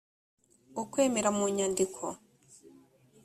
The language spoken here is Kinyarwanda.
ukwemera mu nyandiko